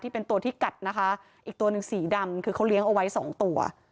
เป็นตัวที่กัดนะคะอีกตัวหนึ่งสีดำคือเขาเลี้ยงเอาไว้สองตัว